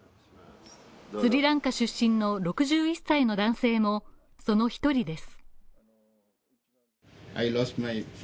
スリランカ出身の６１歳の男性もその１人です。